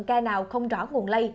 ca nào không rõ nguồn lây